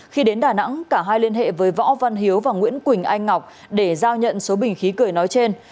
khi đến đà nẵng cả hai liên hệ với võ văn hiếu và nguyễn quỳnh anh ngọc để giao nhận số bình khí cười nói trên